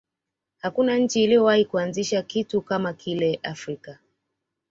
hakuna nchi iliyowahi kuanzisha kitu kama kile afrika